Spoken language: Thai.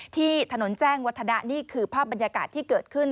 ที่ถนนแจ้งวัฒนะนี่คือภาพบรรยากาศที่เกิดขึ้น